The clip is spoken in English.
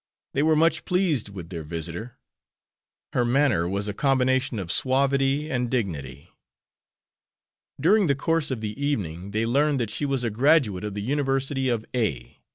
They were much pleased with their visitor. Her manner was a combination of suavity and dignity. During the course of the evening they learned that she was a graduate of the University of A